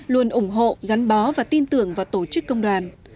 luôn ủng hộ gắn bó và tin tưởng vào tổ chức công đoàn